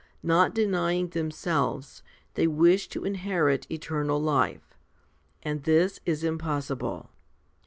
Not denying themselves, they wish to inherit eternal life ; and this is impossible.